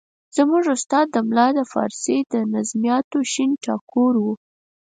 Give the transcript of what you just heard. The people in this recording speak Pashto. زموږ استاد ملا د فارسي د نظمیاتو شین ټاګور وو.